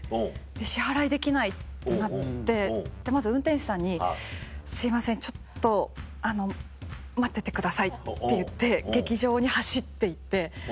支払いできないってなってまず運転手さんに「すいませんちょっと待っててください」って言って劇場に走って行って。